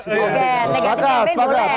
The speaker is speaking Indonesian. negatif kempen boleh